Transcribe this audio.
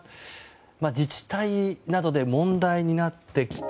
自治体などで問題になってきた